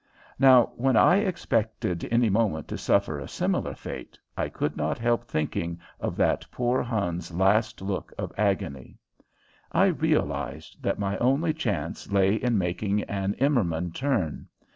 Now, when I expected any moment to suffer a similar fate, I could not help thinking of that poor Hun's last look of agony. I realized that my only chance lay in making an Immermann turn.